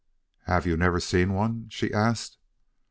"Have you never seen one?" she asked.